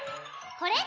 これ？